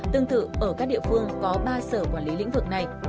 tương tự ở các địa phương có ba sở quản lý lĩnh vực này